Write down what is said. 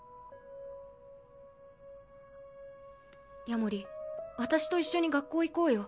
夜守私と一緒に学校行こうよ。